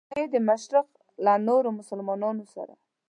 نه یې د مشرق له نورو مسلمانانو سره.